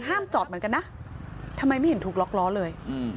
ห้ามจอดเหมือนกันนะทำไมไม่เห็นถูกล็อกล้อเลย